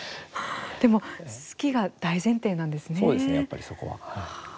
でも好きが大前提なんですね。